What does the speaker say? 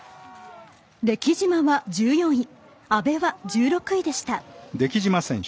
出来島は１４位阿部は１６位でした。